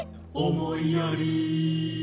「思いやり」